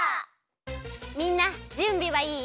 みんなじゅんびはいい？